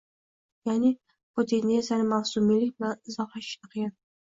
Ya'ni, bu tendentsiyani mavsumiylik bilan izohlash juda qiyin